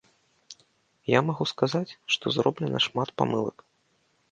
Я магу сказаць, што зроблена шмат памылак.